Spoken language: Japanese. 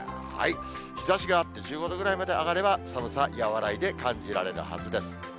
日ざしがあって、１５度ぐらいまで上がれば、寒さ和らいで感じられるはずです。